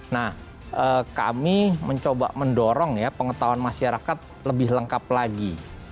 nah kami mencoba mendorong ya pengetahuan masyarakat lebih lengkap lagi